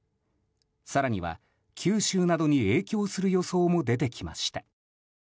更には九州などに影響する予想も出てきました。